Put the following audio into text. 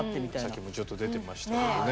さっきもちょっと出てましたけどね。